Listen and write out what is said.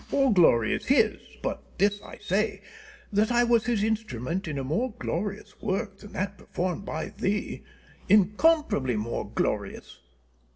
All glory is His; but this I say, that I was His instrument in a more glorious work than that performed by thee incomparably more glorious.